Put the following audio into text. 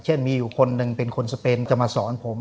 มีอยู่คนหนึ่งเป็นคนสเปนจะมาสอนผม